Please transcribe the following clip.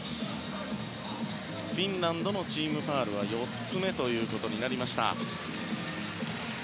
フィンランドのチームファウルは４つ目となりました。